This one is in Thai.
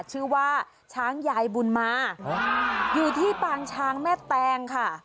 ชื่อว่าช้างยายบุญมาอยู่ที่ปางช้างแม่แตงค่ะ